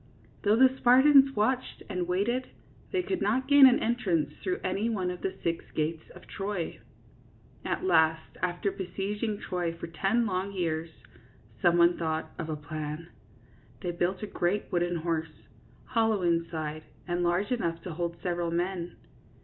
Though the Spartans watched and waited, they could not gain an entrance through any one of the six gates of Troy. At last, after besieging Troy for ten long years, some one thought of a plan. They built a great wooden horse, hollow inside, and large enough to hold several men.